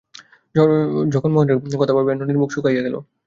জগমোহনের কথা ভাবিয়া ননির মুখ শুকাইয়া গেল।